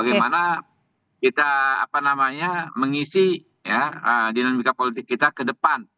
bagaimana kita apa namanya mengisi ya dinamika politik kita ke depan